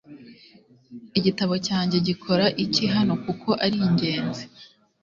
Igitabo cyanjye gikora iki hano kuko ari ingenzi